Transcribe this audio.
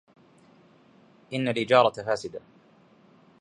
إنَّ الْإِجَارَةَ فَاسِدَةٌ